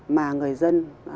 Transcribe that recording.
mà người dân